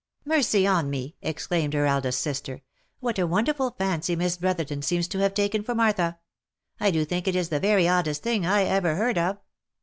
"Mercy on me!" exclaimed her eldest sister," what a wonderful fancy Miss Brotherton seems to have taken for Martha! I do think it is the very oddest thing I ever heard of."